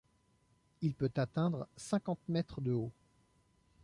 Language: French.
Il peut atteindre cinquante mètres de haut.